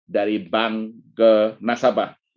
dari bank ke nasabah